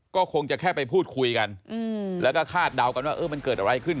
ก็คงจะแค่ไปพูดคุยกันแล้วก็คาดเดากันว่ามันเกิดอะไรขึ้น